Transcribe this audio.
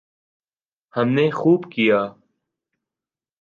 ہم نے خوب کیا۔